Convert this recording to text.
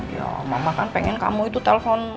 ya mama kan pengen kamu itu telpon